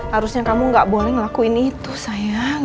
harusnya kamu gak boleh ngelakuin itu sayang